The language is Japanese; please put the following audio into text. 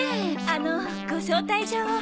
あのご招待状を。